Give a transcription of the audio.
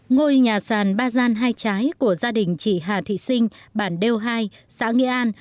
ngôi nhà sàn ba gian hai trái của gia đình chị hà thị sinh bản đeo hai xã nghĩa an